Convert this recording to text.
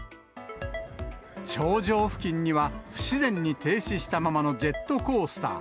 頂上付近には、不自然に停止したままのジェットコースター。